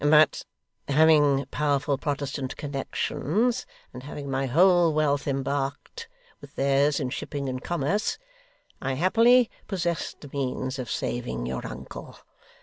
But, having powerful Protestant connections, and having my whole wealth embarked with theirs in shipping and commerce, I happily possessed the means of saving your uncle.